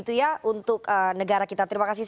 untuk negara kita terima kasih